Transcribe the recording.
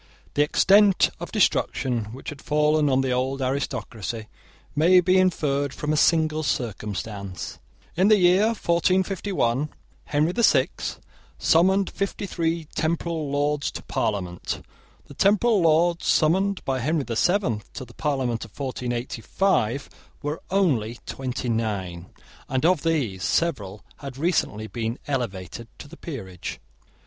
The extent of destruction which had fallen on the old aristocracy may be inferred from a single circumstance. In the year 1451 Henry the Sixth summoned fifty three temporal Lords to parliament. The temporal Lords summoned by Henry the Seventh to the parliament of 1485 were only twenty nine, and of these several had recently been elevated to the peerage.